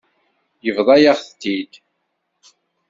Yebḍa-yaɣ-t-id.